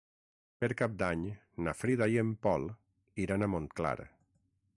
Per Cap d'Any na Frida i en Pol iran a Montclar.